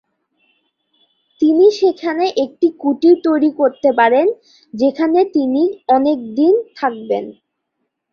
তিনি সেখানে একটি কুটির তৈরী করতে পারেন যেখানে তিনি অনেকদিন থাকবেন।